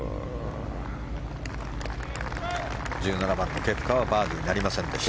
１７番のケプカはバーディーになりませんでした。